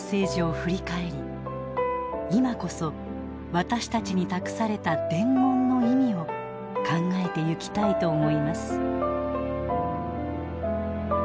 今こそ私たちに託された「伝言」の意味を考えてゆきたいと思います。